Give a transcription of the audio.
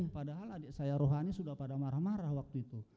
padahal adik saya rohani sudah pada marah marah waktu itu